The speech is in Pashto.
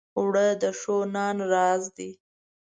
اوړه د ښو نان راز دی